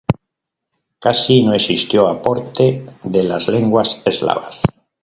Casi no existió aporte de las lenguas eslavas.